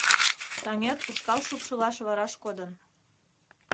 Таҥет ушкал шупшылаш вараш кодын.